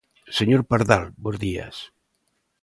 Señor Pardal, bos días.